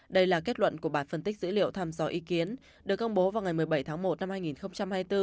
đây là kết luận của bà phân tích dữ liệu thăm dò ý kiến được công bố vào ngày một mươi bảy tháng một năm hai nghìn hai mươi bốn